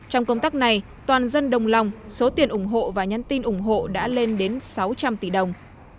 trong công tác này toàn dân đồng lòng số tiền ủng hộ và nhắn tin ủng hộ đã lên đến sáu trăm linh tỷ đồng